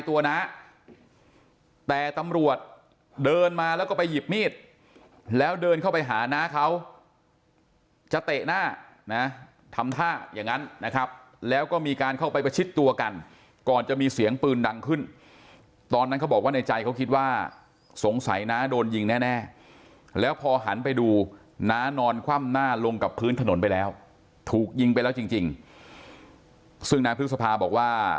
น้าแต่ตำรวจเดินมาแล้วก็ไปหยิบมีดแล้วเดินเข้าไปหาน้าเขาจะเตะหน้านะทำท่าอย่างนั้นนะครับแล้วก็มีการเข้าไปประชิดตัวกันก่อนจะมีเสียงปืนดังขึ้นตอนนั้นเขาบอกว่าในใจเขาคิดว่าสงสัยน้าโดนยิงแน่แล้วพอหันไปดูน้านอนคว่ำหน้าลงกับพื้นถนนไปแล้วถูกยิงไปแล้วจริงซึ่งนางพฤษภาบอกว่า